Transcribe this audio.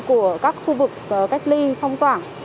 của các khu vực cách ly phong tỏa